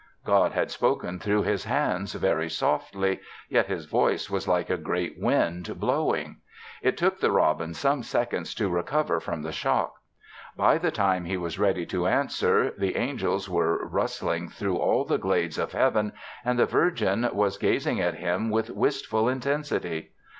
God had spoken through His hands very softly, yet His voice was like a great wind blowing. It took the robin some seconds to recover from the shock. By the time he was ready to answer, the angels were rustling through all the glades of Heaven and the Virgin was gazing at him with wistful intensity.